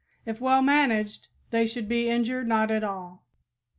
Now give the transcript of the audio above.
If well managed they should be injured not at all.